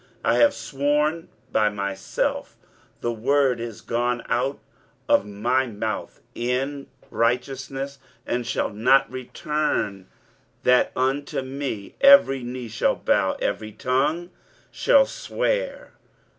23:045:023 I have sworn by myself, the word is gone out of my mouth in righteousness, and shall not return, That unto me every knee shall bow, every tongue shall swear.